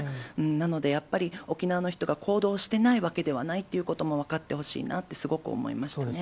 なので、やっぱり沖縄の人が行動してないわけではないっていうことも分かってほしいなってすごく思いましたね。